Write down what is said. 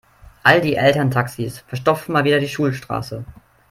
All die Elterntaxis verstopfen mal wieder die Schulstraße.